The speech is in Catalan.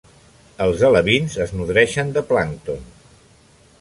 Els alevins es nodreixen de plàncton.